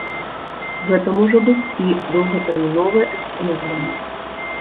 Гэта можа быць і доўгатэрміновае экспанаванне.